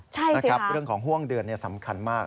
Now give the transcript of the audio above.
ใช่สิค่ะเรื่องของห่วงเดือนนี่สำคัญมาก